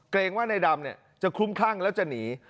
เกรงว่าในดำเนี้ยจะคุ้มคลั่งแล้วจะหนี